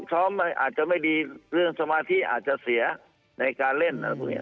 ช้อมอาจจะไม่ดีเรื่องสมาธิอาจจะเสียในการเล่น